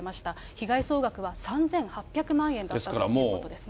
被害総額は３８００万円だったということですね。